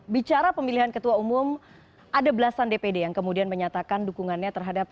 bicara pemilihan ketua umum ada belasan dpd yang kemudian menyatakan dukungannya terhadap